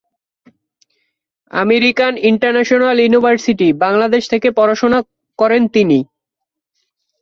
American international ইউনিভার্সিটি-বাংলাদেশ থেকে পড়াশোনা করেন তিনি।